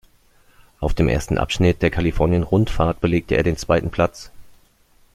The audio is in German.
Auf dem ersten Abschnitt der Kalifornien-Rundfahrt belegte er den zweiten Platz.